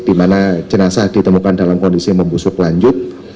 di mana jenazah ditemukan dalam kondisi membusuk lanjut